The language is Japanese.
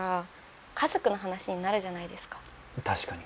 確かに。